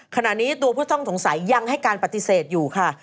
ขณะนี้ตัวผู้ต้องสงสัยยังให้การปฏิเสธอยู่ค่ะ